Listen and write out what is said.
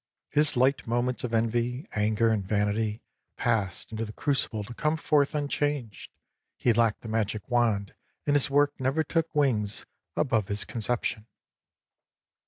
His light moments of envy, anger, and vanity passed into the crucible to come forth un changed. He lacked the magic wand, and his work never took wings above his con ception.